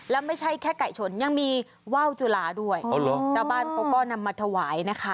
และไม่ใช่แค่ไก่ชนยังมีว้าวจุลาด้วยแต่บ้านเขาก็นำมาถวายนะคะ